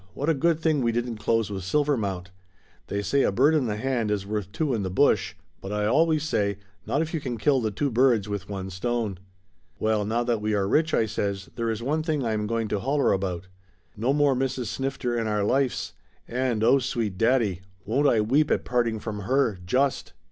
"What a good thing we didn't close with Silvermount. They say a bird in the hand is worth two in the bush, but I always say, not if you can kill the two birds with one stone!'" "Well, now that we are rich," I says, "there is one thing I am going to holler about. No more Mrs. Snifter in our lifes, and, oh sweet daddy; won't I weep at parting from her, just!"